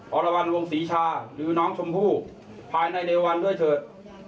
อรวรรณวงศรีชาหรือน้องชมพู่ภายในในวันด้วยเถิด